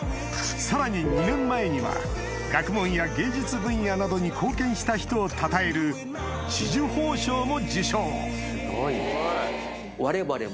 さらに２年前には学問や芸術分野などに貢献した人をたたえる何かあの。